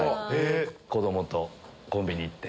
子供とコンビニ行って。